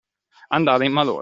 Andare in malora.